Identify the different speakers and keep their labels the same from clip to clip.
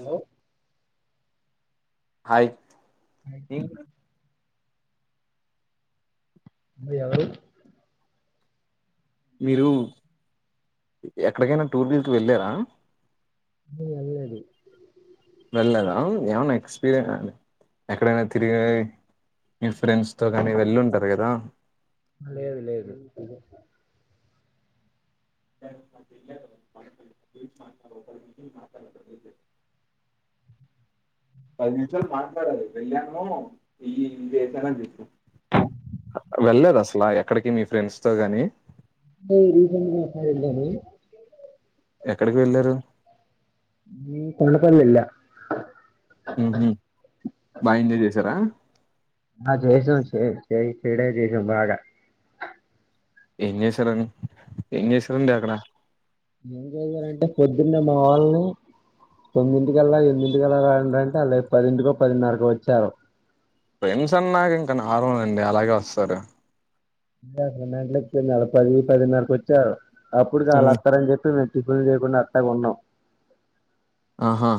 Speaker 1: హ
Speaker 2: హాయ్ ఇ
Speaker 1: అ ఎవరు
Speaker 2: మీరు ఎక్కడికైనా టూర్కి వీస్ వెళ్ళారా
Speaker 1: నేను వెళ్ళలేదు
Speaker 2: వెళ్ళలేదా ఏమనా ఎక్స్పీరియన్ అ ఎక్కడైనా తిరిగి మీ ఫ్రెండ్స్ తో కానీ వెళ్ళుంటారు కదా
Speaker 1: లేదు లేదు
Speaker 2: [inaudible] పది నిమిషాలు మాట్లాడలి వెళ్ళాను ఈ ఇ చేసానని చేసా వెళ్ళద అసలా ఎక్కడికి మీ ఫ్రెండ్స్ తో గాని
Speaker 1: ఏ రీజ [unintelligible]
Speaker 2: ఎక్కడికి వెళ్ళారు
Speaker 1: నాన్ తడపల్లె
Speaker 2: ఉహూ బాగా ఎంజాయ్ చేసారా
Speaker 1: ఆ జైస చే చేయి చెడే జైస బాగా
Speaker 2: ఏం చేసారని
Speaker 1: ఏం చేస్తారంటే పొద్దునే మా వాళ్ళని తొమ్మింటికల్లా ఎన్నింటికళ్లా రంద్రా అంటే అల్లు ఎ పదింటికో పదిన్నరకో వచ్చారు
Speaker 2: ఫ్రెండ్స్ అన్నాక ఇంకా నాగం లేదండి అలాగే వస్తారు
Speaker 1: అసలు గంటలపోంది అ పది పదిన్నరకి వచ్చారు అప్పుడీకి వాళ్ళ
Speaker 2: మ్.
Speaker 1: వస్తారని చెప్పి న [unintelligible] చేయకుండా ఆటగే ఉన్నం
Speaker 2: ఆహా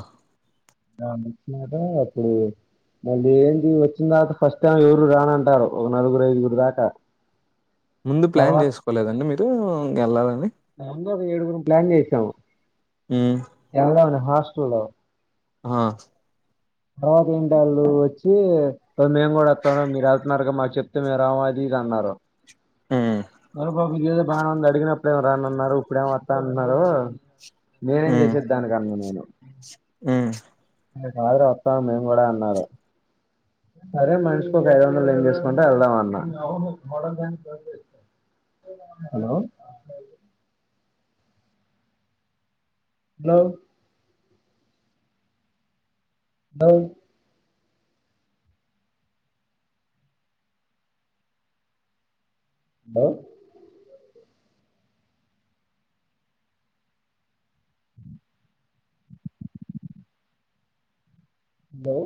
Speaker 1: ఇగ వచ్చినాక అప్పుడు మళ్ళీ ఏంటి వచ్చిన తర్వాత ఫస్ట్ టైం ఎవరు రానంటారు ఒక నలుగురు ఐదుగురు దాకా
Speaker 2: ముందు ప్లాన్
Speaker 1: తర్వాత
Speaker 2: చేసుకోలేదండి మీరుకెళ్ళాలని
Speaker 1: మొత్తం ఏడుగురు ప్లాన్ చేసాము
Speaker 2: హ్మ్
Speaker 1: ఎళ్దామని హాస్టల్ లో
Speaker 2: ఆ
Speaker 1: తర్వాత రెండళ్ళు వచ్చి మేము కూడా వస్తాన్నాం మీరు ఎతున్నారుగా మాకు చెప్తే మేము రామా అది ఇది ఇ అన్నారు
Speaker 2: మ్మ్
Speaker 1: అవురా బాబు ఇది అదో బాగానే ఉంది అడిగినప్పుడేమో రాను అన్నారు ఇప్పుడేమో వాతానటున్నారు నేనేం చేసేది దానినికి అన్నా నేను
Speaker 2: మ్మ్
Speaker 1: అరే కాదురు వస్తాం మేము కూడా అన్నారు సరే మనిషికి ఒక ఐదు వందలు ఏం [unintelligible] సుకుంటే వెళ్దాం అన్నా hello hello hello hello hello